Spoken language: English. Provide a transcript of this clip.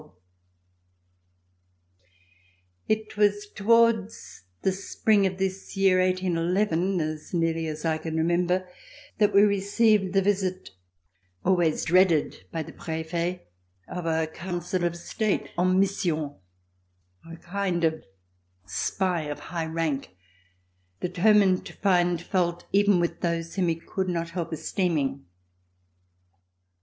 C365] RECOLLECTIONS OF THE REVOLUTION It was towards the spring of this year 1811, as nearly as I can remember, that we received the visit, always dreaded by the Prefets, of a Councillor of State, en mission, a kind of spy of high rank, de termined to find fault even with those whom he could not help esteeming.